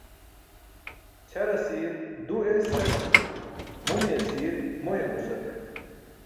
Ćʰar asir du eesark, mumi asiir moy amusark.